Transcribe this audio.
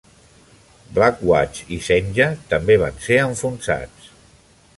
"Black Watch" i "Senja" també van ser enfonsats.